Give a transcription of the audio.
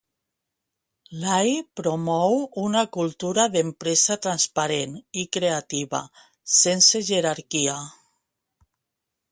Lai promou una cultura d'empresa transparent i creativa, sense jerarquia.